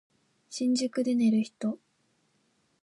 新宿で寝る人